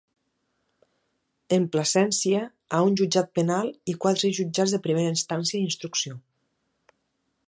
En Plasència ha un Jutjat Penal i quatre jutjats de primera instància i instrucció.